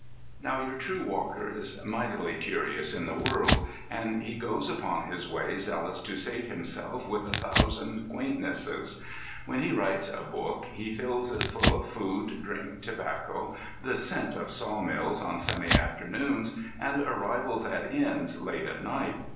Now your true walker is mightily "curious in the world," and he goes upon his way zealous to sate himself with a thousand quaintnesses. When he writes a book he fills it full of food, drink, tobacco, the scent of sawmills on sunny afternoons, and arrivals at inns late at night.